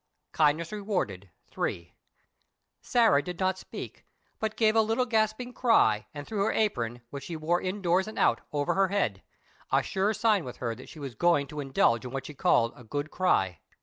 KINDNESS REWARDED.—III. Sarah did not speak, but gave a little gasping cry, and threw her apron, which she wore indoors and out, over her head; a sure sign with her that she was going to indulge in what she called "a good cry."